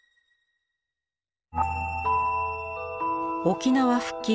沖縄復帰